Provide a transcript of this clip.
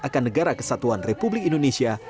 akan negara kesatuan republik indonesia